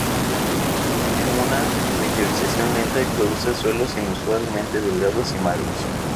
Tiene una meteorización lenta y produce suelos inusualmente delgados y magros.